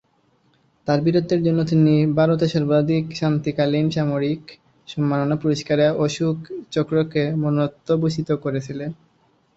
তাঁর বীরত্বের জন্য, তিনি ভারতের সর্বাধিক শান্তিকালীন সামরিক সম্মাননা পুরস্কার অশোক চক্রকে মরণোত্তর ভূষিত করেছিলেন।